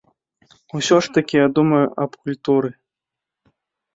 Усё ж такі я думаю аб культуры.